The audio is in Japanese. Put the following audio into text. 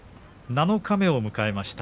七日目を迎えました